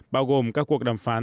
bao gồm các cuộc đàm phán